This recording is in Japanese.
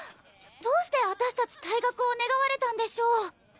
どうして私達退学を願われたんでしょう？